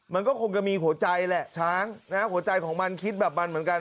มันก็คงจะมีหัวใจแหละช้างนะหัวใจของมันคิดแบบมันเหมือนกัน